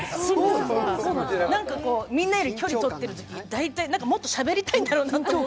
みんなより距離とってるときに、もっとしゃべりたいんだろうなと。